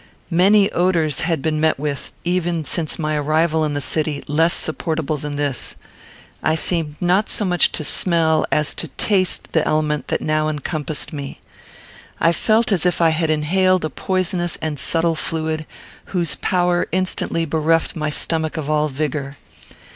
Many odours had been met with, even since my arrival in the city, less supportable than this. I seemed not so much to smell as to taste the element that now encompassed me. I felt as if I had inhaled a poisonous and subtle fluid, whose power instantly bereft my stomach of all vigour.